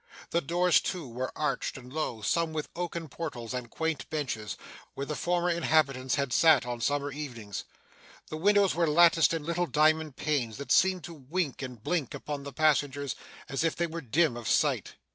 The doors, too, were arched and low, some with oaken portals and quaint benches, where the former inhabitants had sat on summer evenings. The windows were latticed in little diamond panes, that seemed to wink and blink upon the passengers as if they were dim of sight.